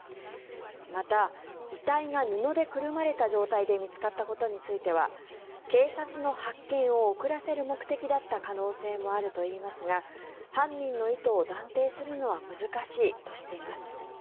また、遺体が布でくるまれた状態で見つかったことについては警察の発見を遅らせる目的だった可能性もあるといいますが犯人の意図を断定するのは難しいとしています。